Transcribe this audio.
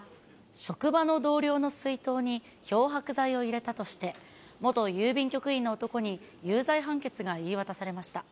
職場の同僚の水筒に漂白剤を入れたとして、元郵便局員の男に有罪判決が言い渡されました。